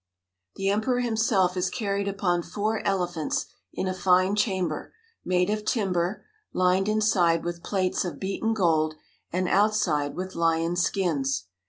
"The Emperor himself is carried upon four elephants in a fine chamber, made of timber, lined inside with plates of beaten gold and outside with lions' skins.